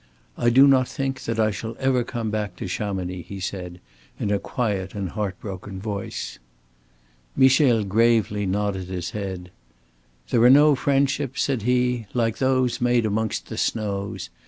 "I do not think that I shall ever come back to Chamonix," he said, in a quiet and heart broken voice. Michel gravely nodded his head. "There are no friendships," said he, "like those made amongst the snows.